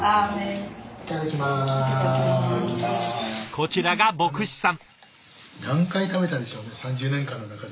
こちらが牧師さん。